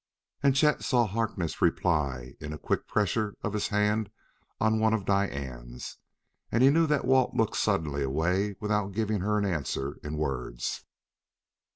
And Chet saw Harkness' reply in a quick pressure of his hand on one of Diane's. And he knew why Walt looked suddenly away without giving her an answer in words.